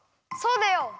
そうだよ。